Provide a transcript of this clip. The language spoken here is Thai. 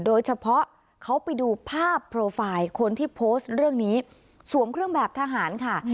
โดยเฉพาะเขาไปดูภาพโปรไฟล์คนที่โพสต์เรื่องนี้สวมเครื่องแบบทหารค่ะ